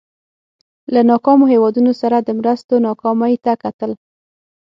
له ناکامو هېوادونو سره د مرستو ناکامۍ ته کتل.